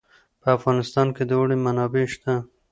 په افغانستان کې د اوړي منابع شته.